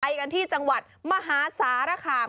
กันที่จังหวัดมหาสารคาม